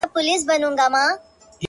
په سپورږمۍ كي زمــــــــــا زړه دى؛